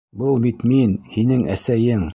Был бит мин — һинең әсәйең!